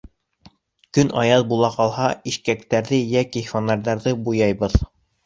Көн аяҙ була ҡалһа, ишкәктәрҙе йәки фонарҙарҙы буяйбыҙ.